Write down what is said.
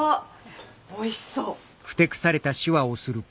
おいしそう！